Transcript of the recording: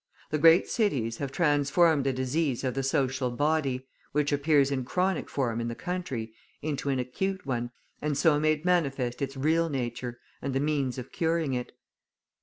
The great cities have transformed the disease of the social body, which appears in chronic form in the country, into an acute one, and so made manifest its real nature and the means of curing it.